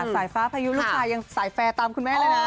ภายุทุกลูกชายยังสายแฟร์ตามคุณแม่เลยนะ